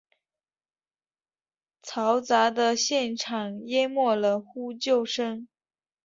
嘈杂的现场淹没了呼救声。